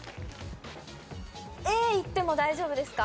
Ａいっても大丈夫ですか？